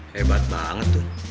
hebat banget tuh